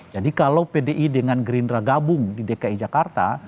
jadi kalau pdi dengan gerindra gabung di dki jakarta